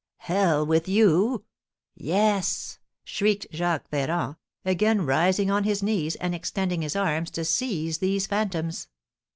Hell with you? Yes!" shrieked Jacques Ferrand, again rising on his knees, and extending his arms to seize these phantoms.